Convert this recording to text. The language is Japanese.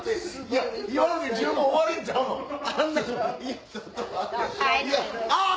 いや「あぁ！」